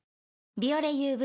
「ビオレＵＶ」